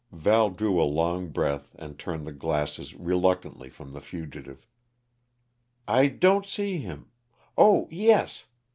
Val drew a long breath and turned the glasses reluctantly from the fugitive. "I don't see him oh, yes!